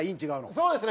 そうですね。